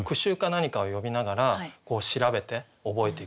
何かを読みながら調べて覚えていくとか